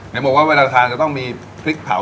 ลองชิมน้ำซุปก่อนก็ได้ครับ